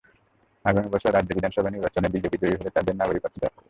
আগামী বছর রাজ্য বিধানসভা নির্বাচনে বিজেপি জয়ী হলে তাদের নাগরিকত্ব দেওয়া হবে।